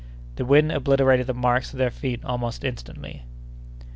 The wind obliterated the marks of their feet almost instantly.